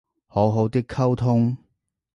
好好哋溝通